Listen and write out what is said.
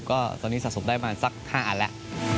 การสาสมได้มาสัก๕อันแล้ว